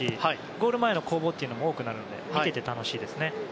ゴール前の攻防というのも多くなるので見ていて楽しいですね。